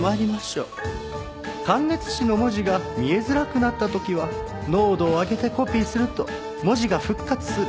感熱紙の文字が見えづらくなった時は濃度を上げてコピーすると文字が復活する。